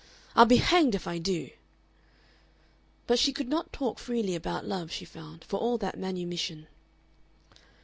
"I'll be hanged if I do." But she could not talk freely about love, she found, for all that manumission.